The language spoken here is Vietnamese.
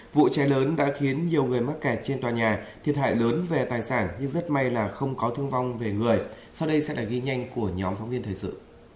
vụ cháy lớn đã khiến nhiều người mắc kẹt trên tòa nhà thiệt hại lớn về tài sản nhưng rất may là không có thương vong về người sau đây sẽ là ghi nhanh của nhóm phóng viên thời sự